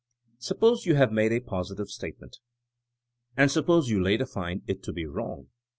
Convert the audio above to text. Suppose you have made a positive statement. And suppose you later find it to be wrong?